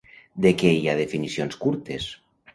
De què hi ha definicions curtes?